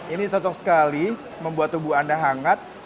ini cocok sekali membuat tubuh anda hangat